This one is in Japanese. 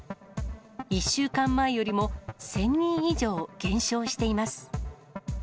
１週間前よりも１０００人以上減少しています。